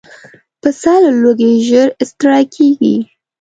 پسه له لوږې ژر ستړی کېږي.